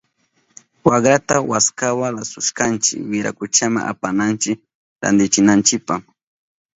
Wakrata waskawa lasushkanchi wirakuchama apananchipa rantichinanchipa.